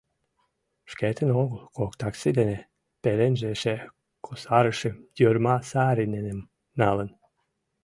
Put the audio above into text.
Шкетын огыл — кок такси дене, пеленже эше кусарышым, Йорма Саариненым, налын.